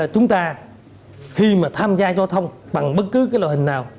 chúng ta khi mà tham gia giao thông bằng bất cứ cái loại hình nào